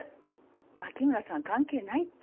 牧村さんは関係ないって。